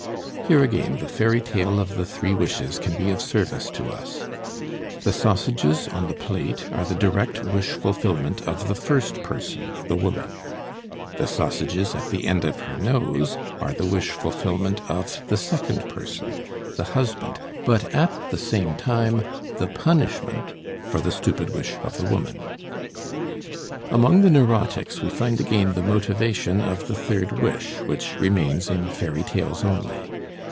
Here again the fairy tale of the three wishes can be of service to us: the sausages on the plate are the direct wish fulfillment of the first person, the woman; the sausages at the end of her nose are the wish fulfillment of the second person, the husband, but at the same time the punishment for the stupid wish of the woman. Among the neurotics we find again the motivation of the third wish, which remains in fairy tales only.